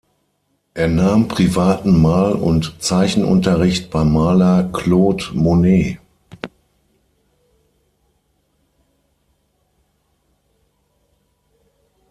Er nahm privaten Mal- und Zeichenunterricht beim Maler Claude Monet.